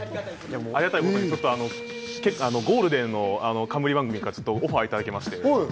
結構、ゴールデンの冠番組からオファーをいただきまして。